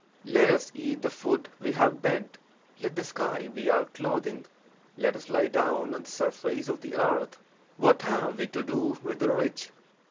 Let us eat the food we have begged; let the sky be our clothing; let us lie down on the surface of the earth; what have we to do with the rich?